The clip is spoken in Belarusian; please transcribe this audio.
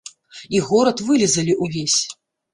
І горад вылізалі ўвесь.